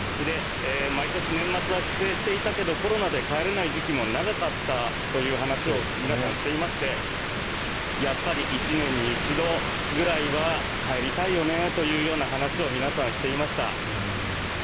毎年、年末は帰省していたけれどコロナで帰れない時期も長かったという話を皆さん、していましてやっぱり１年に一度ぐらいは帰りたいよねという話を皆さん、していました。